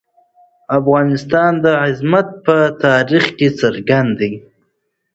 د افغانستان عظمت په تاریخ کې څرګند دی.